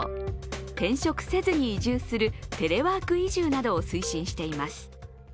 転職せずに移住するテレワーク移住などを推進しています。